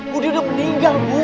bu dia udah meninggal bu